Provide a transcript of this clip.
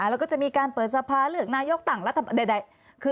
แล้วก็จะมีการเปิดสภาเลือกนายกต่างรัฐบาลใด